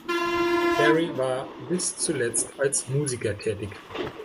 Clary war bis zuletzt als Musiker tätig.